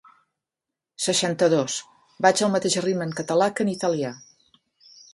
Seixanta-dos vaig al mateix ritme en català que en italià.